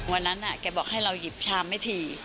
วันนั้นแกบอกให้เราหยิบชามให้ถี่